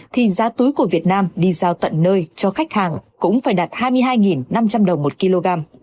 thì giá túi của việt nam đi giao tận nơi cho khách hàng cũng phải đạt hai mươi hai năm trăm linh đồng một kg